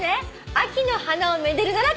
「秋の花を愛でるなら」